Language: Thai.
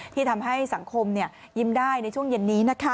ที่ทำให้สังคมยิ้มได้ในช่วงเย็นนี้นะคะ